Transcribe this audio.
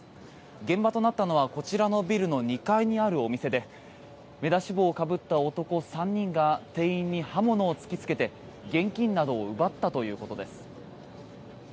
現場となったのはこちらのビルの２階にあるお店で目出し帽をかぶった男３人が店員に刃物を突きつけて現金などを奪ったということです。